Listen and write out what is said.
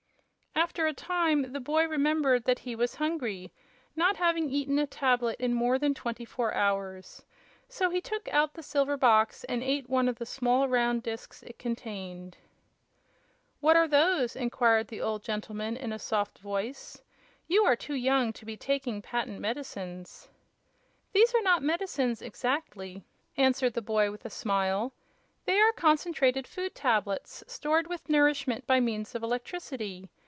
After a time the boy remembered that he was hungry, not having eaten a tablet in more than twenty four hours. So he took out the silver box and ate one of the small, round disks it contained. "What are those?" inquired the old gentleman in a soft voice. "You are too young to be taking patent medicines." "There are not medicines, exactly," answered the boy, with a smile. "They are Concentrated Food Tablets, sorted with nourishment by means of electricity.